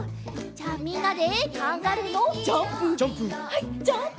はいジャンプ！